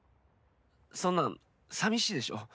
「そんなん寂しいでしょ？」